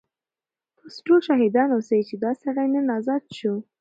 تاسو ټول شاهدان اوسئ چې دا سړی نن ازاد شو.